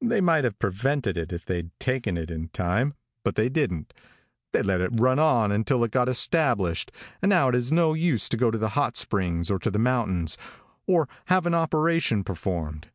They might have prevented it if they'd taken it in time, but they didn't. They let it run on till it got established, and now its no use to go to the Hot Springs or to the mountains, or have an operation performed.